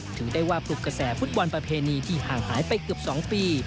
ถือได้ว่าปลุกกระแสฟุตบอลประเพณีที่ห่างหายไปเกือบ๒ปี